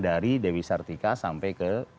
dari dewi sartika sampai ke